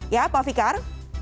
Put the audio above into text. ya pak fikar